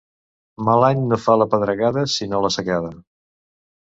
Mal any no fa la pedregada, sinó la secada.